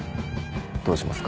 どうしますか？